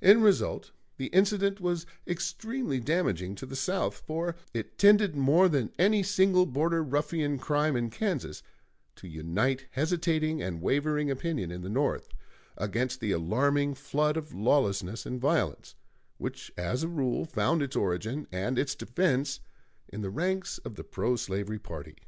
In result the incident was extremely damaging to the South, for it tended more than any single Border Ruffian crime in Kansas to unite hesitating and wavering opinion in the North against the alarming flood of lawlessness and violence, which as a rule found its origin and its defense in the ranks of the pro slavery party.